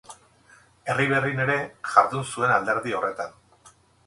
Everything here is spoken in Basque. Erriberrin ere jardun zuen alderdi horretan.